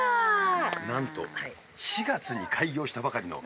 なんと４月に開業したばかりの。